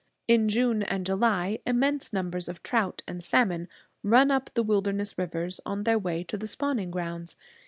In June and July immense numbers of trout and salmon run up the wilderness rivers on their way to the spawning grounds.